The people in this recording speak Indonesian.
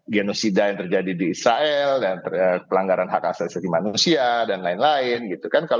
genosida yang terjadi di israel dan pelanggaran hak asasi manusia dan lain lain gitu kan